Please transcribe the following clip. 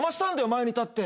前に立って。